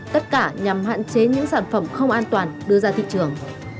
tất cả nhằm hạn chế những sản phẩm không an toàn đưa ra thị trường